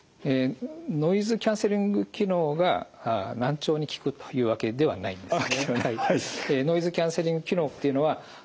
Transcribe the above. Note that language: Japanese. ノイズキャンセリング機能が難聴に効くというわけではないんですね。